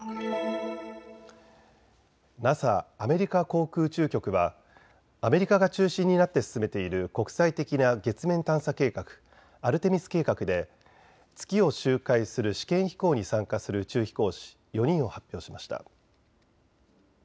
ＮＡＳＡ・アメリカ航空宇宙局はアメリカが中心になって進めている国際的な月面探査計画、アルテミス計画で月を周回する試験飛行に参加する宇宙飛行士４人を発表しました。